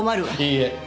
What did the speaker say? いいえ。